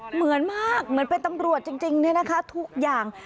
เหมือนมากเหมือนเป็นตำรวจจริงเนี่ยนะคะทุกอย่าง